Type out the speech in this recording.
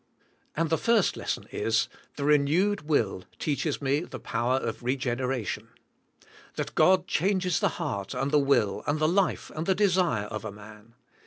And the first lesson is, the renewed will teaches me the power of regeneration. That God changes 180 THK SPIRITUAL I^IFK. the heart and the will and the life and the desire of a man.